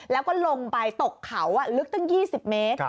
แล้วก็ลงไปตกเขาลึกตั้ง๒๐เมตร